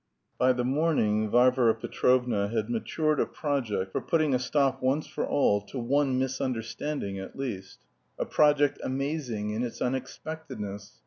By the morning Varvara Petrovna had matured a project for putting a stop once for all to one misunderstanding at least; a project amazing in its unexpectedness.